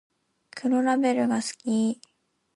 黒ラベルが好き